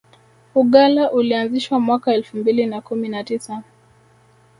uggala ilianzishwa mwaka elfu mbili na kumi na tisa